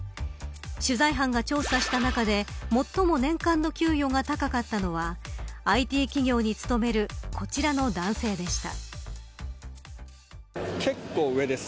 取材班が調査した中で最も年間の給与が高かったのはＩＴ企業に勤めるこちらの男性でした。